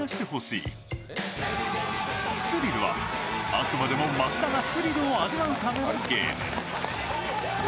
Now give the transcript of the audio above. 「スリル」はあくまでも益田がスリルを味わうためのゲーム。